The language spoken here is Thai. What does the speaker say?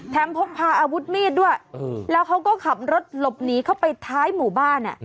พกพาอาวุธมีดด้วยแล้วเขาก็ขับรถหลบหนีเข้าไปท้ายหมู่บ้าน